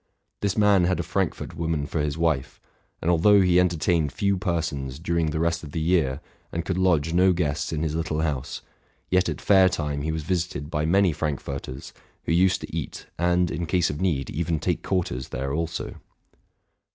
This man had a Frankfort woman for his wife ; and although he entertained few persons during the rest of the year, and could lodge no guests in his little house, yet at fair time he was visited by many Frankforters, who used to eat, and, in case of need, even take quarters, there also.